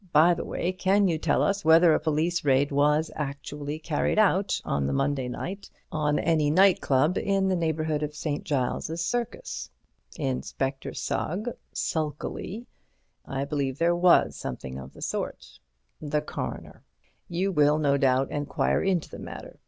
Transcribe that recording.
By the way, can you tell us whether a police raid was actually carried out on the Monday night on any Night Club in the neighbourhood of St. Giles's Circus? Inspector Sugg (sulkily): I believe there was something of the sort. The Coroner: You will, no doubt, enquire into the matter.